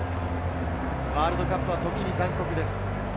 ワールドカップは時に残酷です。